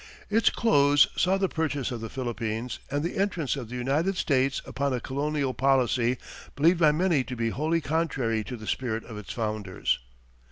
Its close saw the purchase of the Philippines, and the entrance of the United States upon a colonial policy believed by many to be wholly contrary to the spirit of its founders.